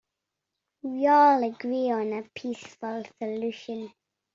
We all agree on a peaceful solution.